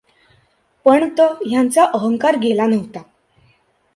पण त् यांचा अहंकार गेला नव्हता.